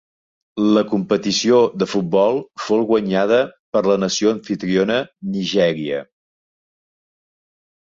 La competició de futbol fou guanyada per la nació amfitriona Nigèria.